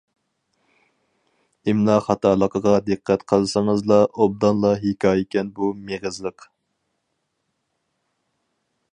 ئىملا خاتالىقىغا دىققەت قىلسىڭىزلا ئوبدانلا ھېكايىكەن بۇ مېغىزلىق.